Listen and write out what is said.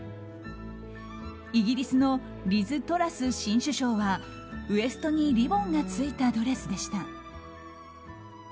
イギリスのリズ・トラス新首相はウエストにリボンがついたドレスでした。